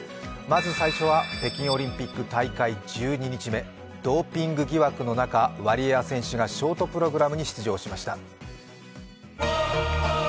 まず最初は北京オリンピック大会１２日目、ドーピング疑惑の中、ワリエワ選手がショートプログラムに出場しました。